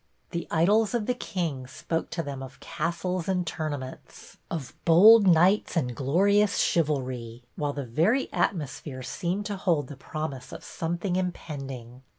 The " Idyls of the King " spoke to them of castles and tournaments, of bold knights and glorious chivalry, while the very atmosphere seemed to hold the promise of something impending.